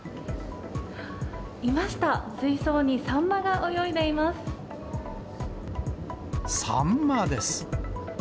いました、水槽にサンマが泳サンマです。